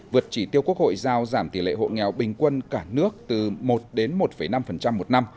vượt chỉ tiêu quốc hội giao giảm tỷ lệ hộ nghèo bình quân cả nước từ một đến một năm một năm